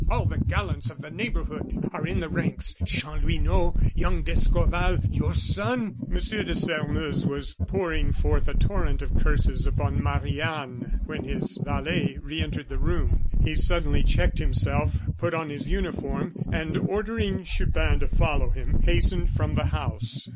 All the gallants of the neighborhood are in the ranks; Chanlouineau, young d'Escorval, your son " M. de Sairmeuse was pouring forth a torrent of curses upon Marie Anne when his valet re entered the room. He suddenly checked himself, put on his uniform, and ordering Chupin to follow him, hastened from the house.